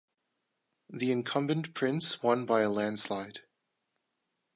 The incumbent prince won by a landslide.